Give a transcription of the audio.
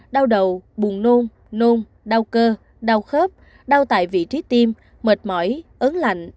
đau đầu buồn nôn nôn đau cơ đau khớp đau tại vị trí tim mệt mỏi ớn lạnh